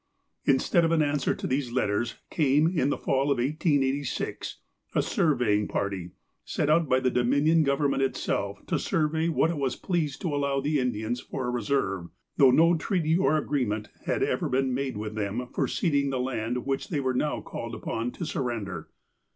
Instead of an answer to these letters, came, in the Fall of 1886, a surveying party sent out by the Dominion Government itself to survey what it was pleased to allow the Indians for a reserve, though no treaty, or agreement, had ever been made with them for ceding the land which they were now called upon to surrender.